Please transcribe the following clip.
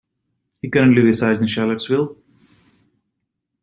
He currently resides in Charlottesville.